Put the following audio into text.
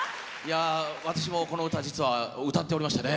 私もこの歌実は歌っておりましてね。